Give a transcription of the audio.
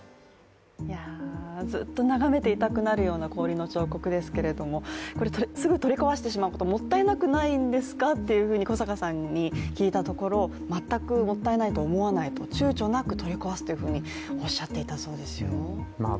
ずっと眺めていたくなるような氷の彫刻ですけれども、すぐ取り壊してしまうと、もったいなくないんですかと小阪さんに聞いたところ全くもったいないと思わないと、ちゅうちょなく取り壊すっていうふうにおっしゃっていたそうですよ。